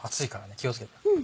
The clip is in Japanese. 気を付けて。